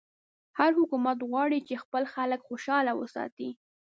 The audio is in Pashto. هر حکومت غواړي چې خپل خلک خوشحاله وساتي.